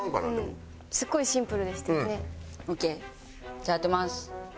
じゃあ当てます。